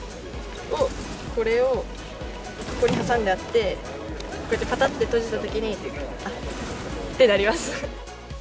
これをここに挟んであって、こうやってぱたっと閉じたときに、あってなります。